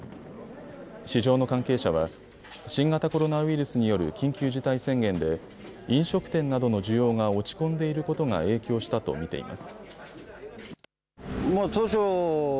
市場の関係者は新型コロナウイルスによる緊急事態宣言で飲食店などの需要が落ち込んでいることが影響したと見ています。